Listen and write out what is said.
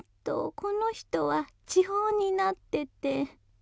この人は痴ほうになってて。